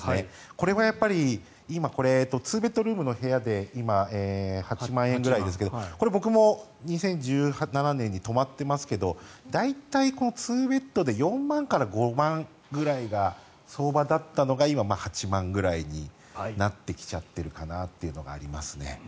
これもやっぱり今、２ベッドルームの部屋で今、８万円ぐらいですがこれ僕も２０１７年に泊まってますけど大体、２ベッドで４万円から５万円くらいが相場だったのが今、８万ぐらいになってきちゃってるかなというのがありますね。